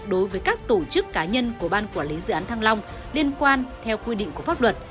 đối với các tổ chức cá nhân của ban quản lý dự án thăng long liên quan theo quy định của pháp luật